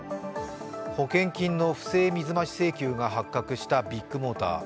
保険金の不正水増し請求が発覚したビッグモーター。